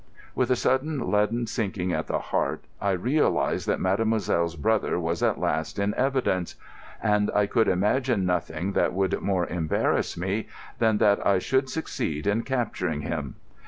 With a sudden leaden sinking at the heart I realised that mademoiselle's brother was at last in evidence, and I could imagine nothing that would more embarrass me than that I should succeed in capturing him.